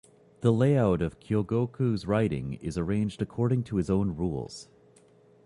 The layout of Kyogoku's writing is arranged according to his own rules.